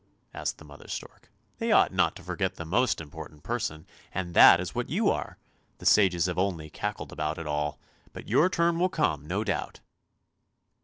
" asked the mother stork. " They ought not to forget the most important person, and that is what you are; the sages have only cackled about it all. But your turn will come, no doubt!